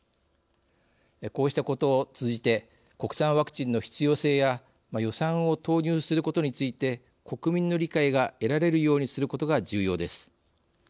こうしたことを通じて国産ワクチンの必要性や予算を投入することについて国民の理解が得られるようにすることが重要です。